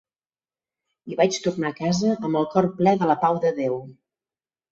I vaig tornar a casa amb el cor ple de la pau de Déu.